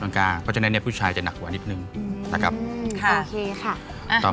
ดังกลางเพราะฉะนั้นเนี้ยผู้ชายจะหนักกว่านิดหนึ่งนะครับอืมค่ะโอเคค่ะ